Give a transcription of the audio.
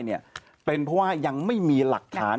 เนี่ยเป็นเพราะว่ายังไม่มีหลักฐาน